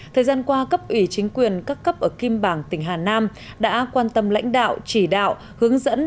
thời gian qua cấp ủy chính quyền các cấp ở kim bảng tỉnh hà nam đã quan tâm lãnh đạo chỉ đạo hướng dẫn